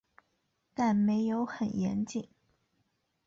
但没有很严谨